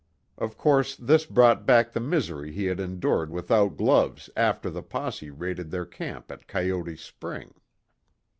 Of course this brought back the misery he had endured without gloves after the posse raided their camp at Coyote Spring.